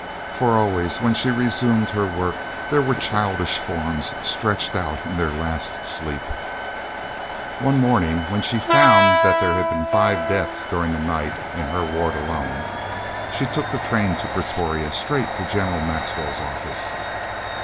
For always, when she resumed her work, there were childish forms stretched out in their last sleep. One morning, when she found that there had been five deaths during the night, in her ward alone, she took the train to Pretoria, straight to General Maxwell's office.